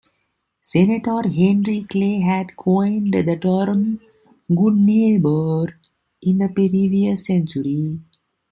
Senator Henry Clay had coined the term "Good Neighbor" in the previous century.